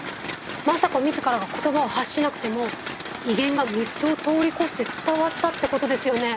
政子自らが言葉を発しなくても威厳が御簾を通り越して伝わったってことですよね。